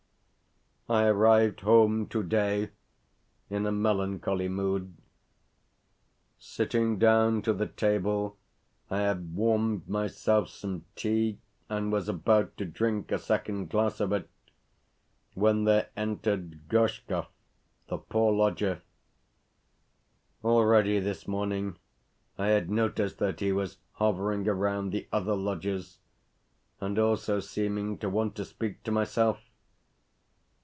I arrived home today in a melancholy mood. Sitting down to the table, I had warmed myself some tea, and was about to drink a second glass of it, when there entered Gorshkov, the poor lodger. Already, this morning, I had noticed that he was hovering around the other lodgers, and also seeming to want to speak to myself.